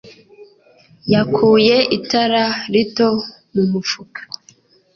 yakuye itara rito mu mufuka.